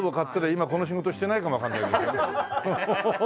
今この仕事してないかもわかんないホントに。